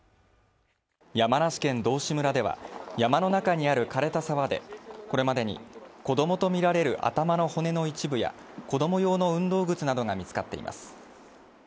山梨県道志村では、山の中にあるかれた沢でこれまでに子供とみられる頭の骨の一部や子供用の運動靴などが見つかっています。